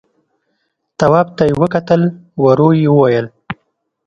تواب ته يې وکتل، ورو يې وويل: